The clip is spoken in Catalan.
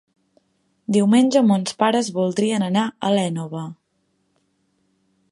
Diumenge mons pares voldrien anar a l'Énova.